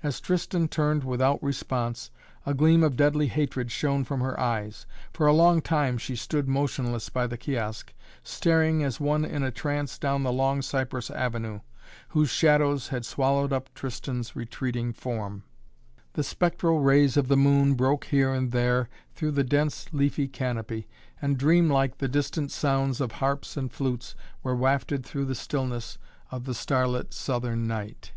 As Tristan turned without response, a gleam of deadly hatred shone from her eyes. For a long time she stood motionless by the kiosk, staring as one in a trance down the long cypress avenue, whose shadows had swallowed up Tristan's retreating form. The spectral rays of the moon broke here and there through the dense, leafy canopy, and dream like the distant sounds of harps and flutes were wafted through the stillness of the starlit southern night.